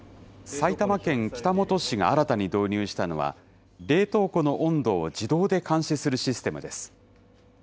埼玉県北本市が新たに導入したのは、冷凍庫の温度を自動で監視するシステムです。